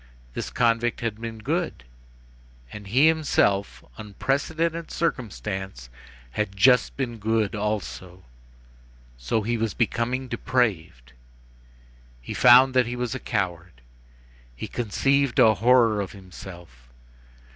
This convict had been good. And he himself, unprecedented circumstance, had just been good also. So he was becoming depraved. He found that he was a coward. He conceived a horror of himself.